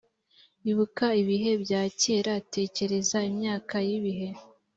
ibuka ibihe bya kera tekereza imyaka y ibihe